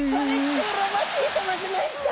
クロマティさまじゃないですか！